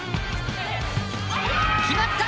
決まった。